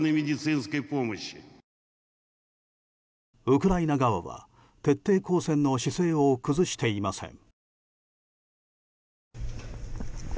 ウクライナ側は徹底抗戦の姿勢を崩していません。